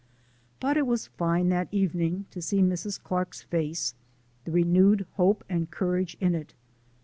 But it was fine, that evening, to see Mrs. Clark's face, the renewed hope and courage in it.